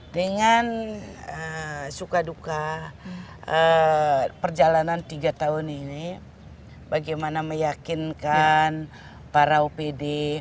dengan suka duka perjalanan tiga tahun ini bagaimana meyakinkan para opd